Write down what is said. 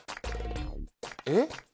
えっ？